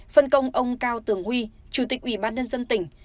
phân công ông cao tường huy chủ tịch ủy ban nhân dân tỉnh